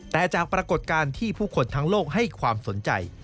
แต่จากปรากฏการณ์ที่ผู้คนทั้งโลกให้ความสนใจ